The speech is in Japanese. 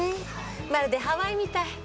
まるでハワイみたい。